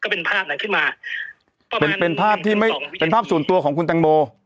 ก็เป็นภาพนั้นขึ้นมาเป็นภาพส่วนตัวของคุณตังโม